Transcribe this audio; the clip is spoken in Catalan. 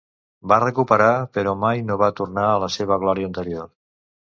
Va recuperar, però mai no va tornar a la seva glòria anterior.